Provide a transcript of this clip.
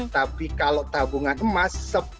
tapi kalau tabungan emas